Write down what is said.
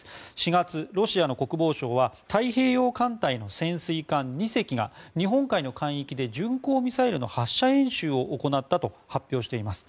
４月、ロシアの国防省は太平洋艦隊の潜水艦２隻が日本海の海域で巡航ミサイルの発射演習を行ったと発表しています。